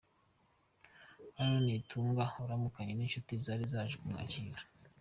Aaron Nitunga aramukanya n'inshuti zari zaje kumwakira.